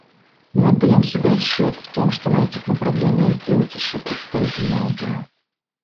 Мы отдаем себе отчет в том, что на этих направлениях сделать еще предстоит многое.